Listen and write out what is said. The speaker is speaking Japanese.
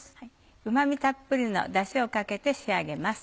うま味たっぷりのだしをかけて仕上げます。